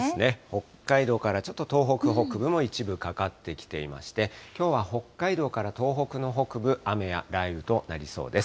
北海道からちょっと東北北部も一部かかってきていまして、きょうは北海道から東北の北部、雨や雷雨となりそうです。